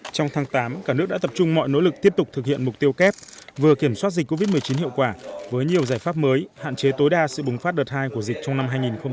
trong tháng tám cả nước đã tập trung mọi nỗ lực tiếp tục thực hiện mục tiêu kép vừa kiểm soát dịch covid một mươi chín hiệu quả với nhiều giải pháp mới hạn chế tối đa sự bùng phát đợt hai của dịch trong năm hai nghìn hai mươi